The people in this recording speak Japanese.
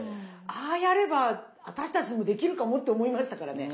ああやれば私たちでもできるかも？って思いましたからね。